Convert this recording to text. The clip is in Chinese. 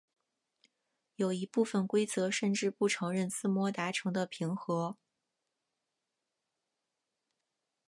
有一部分规则甚至不承认自摸达成的平和。